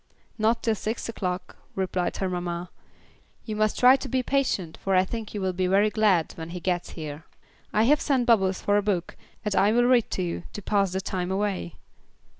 "Not till six o'clock," replied her mamma. "You must try to be patient, for I think you will be very glad when he gets here. I have sent Bubbles for a book, and I will read to you, to pass the time away."